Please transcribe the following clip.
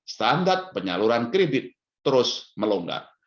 standar penyaluran kredit terus melonggar